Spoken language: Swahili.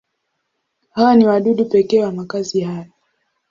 Hawa ni wadudu pekee wa makazi haya.